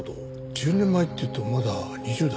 １０年前っていうとまだ２０代か。